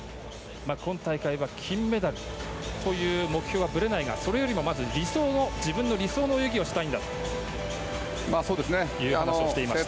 今大会は金メダルという目標はぶれないがそれよりもまず、自分の理想の泳ぎをしたいんだという話をしていました。